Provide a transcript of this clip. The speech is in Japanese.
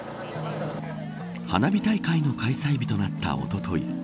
花火大会の開催日となったおととい。